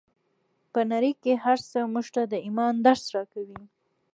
په نړۍ کې هر څه موږ ته د ايمان درس راکوي.